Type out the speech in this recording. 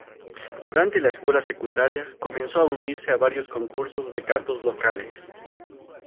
Durante la escuela secundaria, comenzó a unirse a varios concursos de cantos locales.